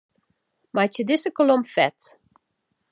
Meitsje dizze kolom fet.